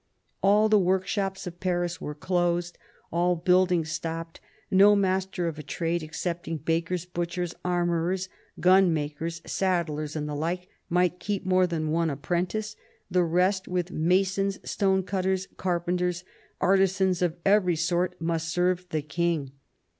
All the M^orkshops of Paris were closed; all building stopped ; no master of a trade, excepting bakers, butchers, armourers, gun makers, saddlers, and the like, might keep more than one apprentice; the rest, with masons, stone cutters, carpenters, artisans of every sort, must serve the King.